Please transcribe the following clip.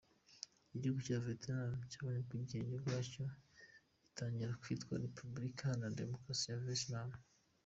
Igihugu cya Vietnam cyabonye ubwigenge bwacyo gitangira kwitwa Repubulika iharanira Demokarasi ya Vietnam.